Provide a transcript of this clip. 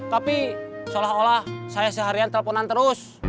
tapi seolah olah saya seharian teleponan terus